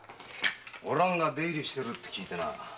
お蘭が出入りしてるって聞いてな。